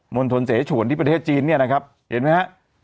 ณฑลเสฉวนที่ประเทศจีนเนี่ยนะครับเห็นไหมฮะ